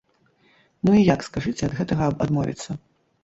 Ну і як, скажыце, ад гэтага адмовіцца?